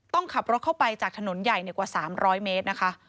ต้องขับรถเข้าไปจากถนนใหญ่กว่า๓๐๐เมตรนะคะ